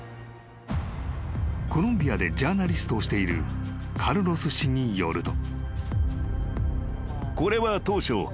［コロンビアでジャーナリストをしているカルロス氏によると］